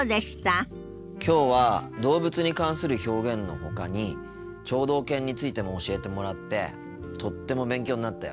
きょうは動物に関する表現のほかに聴導犬についても教えてもらってとっても勉強になったよ。